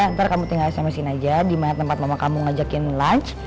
ntar kamu tinggal sama sama siin aja di tempat mama kamu ngajakin lunch